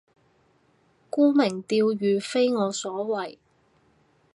沽名釣譽非我所為